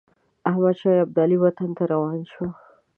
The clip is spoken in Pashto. احمدشاه ابدالي وطن ته روان شو.